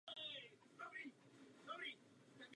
Jde o čtyři konkrétní body.